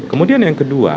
kemudian yang kedua